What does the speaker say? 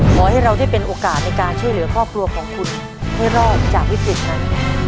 ขอให้เราได้เป็นโอกาสในการช่วยเหลือครอบครัวของคุณให้รอดจากวิกฤตนั้น